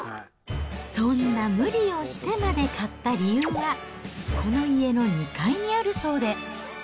そんな無理をしてまで買った理由は、この家の２階にあるそうで。